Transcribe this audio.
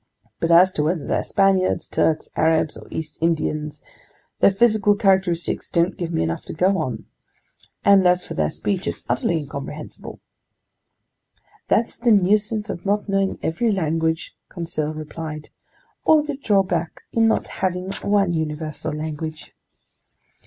But as to whether they're Spaniards, Turks, Arabs, or East Indians, their physical characteristics don't give me enough to go on. And as for their speech, it's utterly incomprehensible." "That's the nuisance in not knowing every language," Conseil replied, "or the drawback in not having one universal language!"